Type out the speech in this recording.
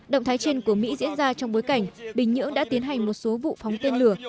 động thái trên của mỹ diễn ra trong bối cảnh bình nhưỡng đã tiến hành một số vụ phóng tên lửa